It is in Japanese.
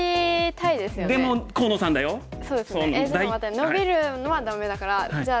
ノビるのはダメだからじゃあ